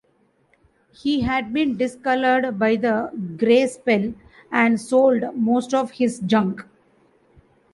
He had been discolored by the Grey Spell and sold most of his junk.